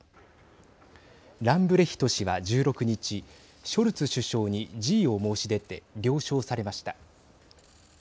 ランブレヒト氏は１６日ショルツ首相に辞意を申し出て了承されました。